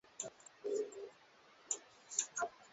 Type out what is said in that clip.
Mtazamo wa Kiislamu humtazama Yesu katika sanaa